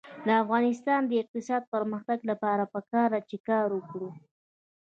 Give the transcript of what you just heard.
د افغانستان د اقتصادي پرمختګ لپاره پکار ده چې کار وکړو.